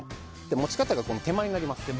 持ち方が手前になります。